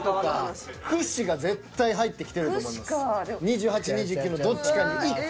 ２８２９のどっちかに１個は。